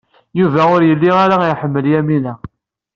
Yuba ur yelli ara iḥemmel Yamina.